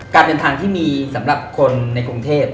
การเดินทางที่มีสำหรับคนในกรุงเทพ